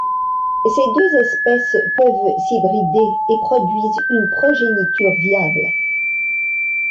Ces deux espèces peuvent s'hybrider et produisent une progéniture viable.